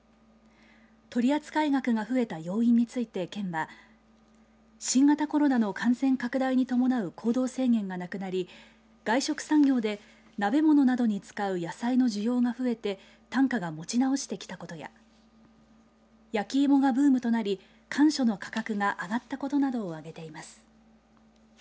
取り扱い額が増えた要因について県は新型コロナの感染拡大に伴う行動制限がなくなり外食産業で鍋物などに使う野菜の需要が増えて単価が持ち直してきたことや焼き芋がブームとなりかんしょの価格が上がったことなどをあげています。